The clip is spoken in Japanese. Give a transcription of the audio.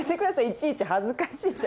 いちいち恥ずかしい。